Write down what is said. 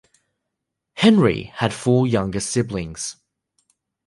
Henry had four younger siblings.